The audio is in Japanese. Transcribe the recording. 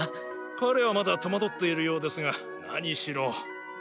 彼はまだ戸惑っているようですが何しろ。